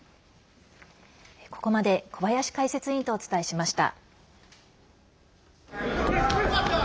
ここまで小林解説委員とお伝えしました。